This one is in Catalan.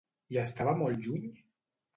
I estava molt lluny?